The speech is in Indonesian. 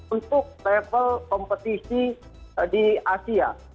untuk level kompetisi di asia